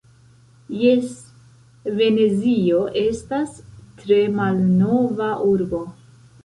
Jes, Venezio estas tre malnova urbo.